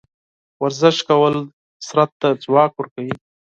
ورزش کول بدن ته ځواک ورکوي.